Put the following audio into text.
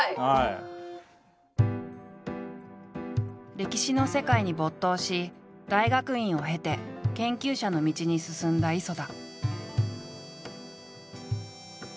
歴史の世界に没頭し大学院を経て研究者の道に進んだ磯田。